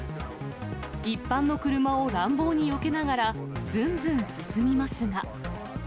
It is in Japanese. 一般の車を乱暴によけながらずんずん進みますが。